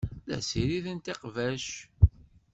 La ssiriden iqbac.